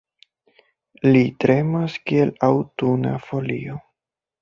Li tremas kiel aŭtuna folio.